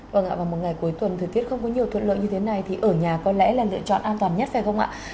vâng ạ vào một ngày cuối tuần thời tiết không có nhiều thuận lợi như thế này thì ở nhà có lẽ là lựa chọn an toàn nhất phải không ạ